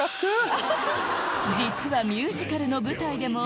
実はミュージカルの舞台でも